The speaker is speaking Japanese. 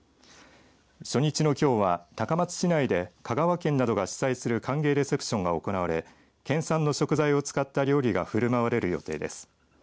初日のきょうは高松市内で香川県などが主催する歓迎レセプションが行われ県産の食材を使った料理が振る舞われる予定です。